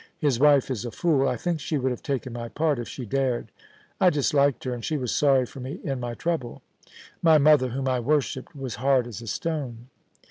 His wife is a fool. I think she would have taken my part if she dared. I disliked her, and she was sorry for me in my trouble. My mother, whom I worshipped, was hard as a stone.